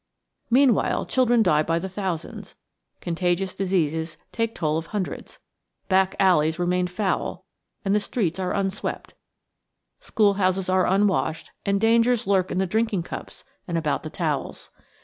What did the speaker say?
Meanwhile children die by the thousands; contagious diseases take toll of hundreds; back alleys remain foul and the streets are unswept; school houses are unwashed and danger lurks in the drinking cups and about the towels.